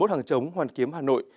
bảy mươi một hàng chống hoàn kiếm hà nội